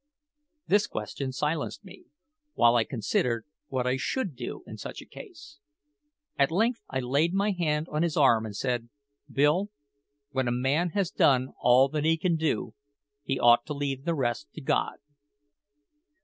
This question silenced me, while I considered what I should do in such a case. At length I laid my hand on his arm and said, "Bill, when a man has done all that he can do, he ought to leave the rest to God."